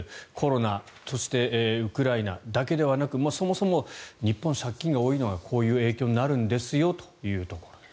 コロナそしてウクライナだけではなくそもそも日本が借金が多いのはこういうところなんですよと。